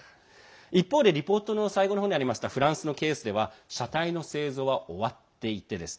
一方で、リポートの最後の方にありましたフランスのケースでは車体の製造は終わっていてですね